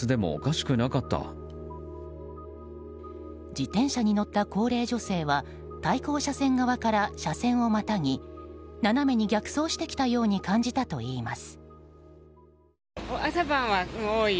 自転車に乗った高齢女性は対向車線側から車線をまたぎ斜めに逆走してきたように感じたといいます。